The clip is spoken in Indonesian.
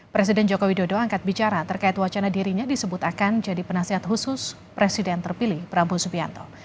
presiden jokowi dodo angkat bicara terkait wacana dirinya disebut akan jadi penasihat khusus presiden terpilih prabowo subianto